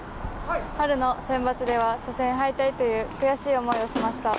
春のセンバツでは初戦敗退という悔しい思いをしました。